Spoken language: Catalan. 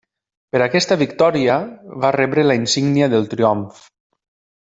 Per aquesta victòria va rebre la insígnia del triomf.